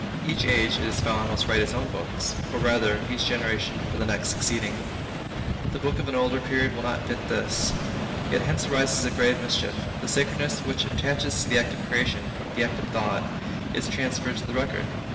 Each age, it is found, must write its own books; or rather, each generation for the next succeeding. The books of an older period will not fit this. Yet hence arises a grave mischief. The sacredness which attaches to the act of creation, the act of thought, is transferred to the record.